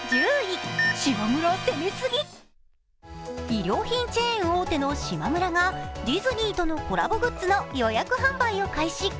衣料品チェーン大手のしまむらがディズニーとのコラボグッズの予約販売を開始。